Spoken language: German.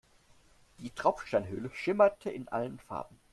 Die Tropfsteinhöhle schimmerte in allen Farben.